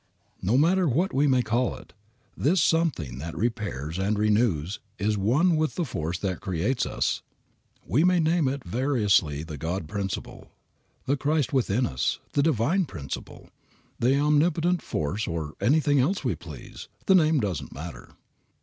No matter what we may call it, this something that repairs and renews is one with the Force that creates us. We may name it variously the God principle, the Christ within us, the divine principle, the omnipotent force or anything else we please; the name does not matter.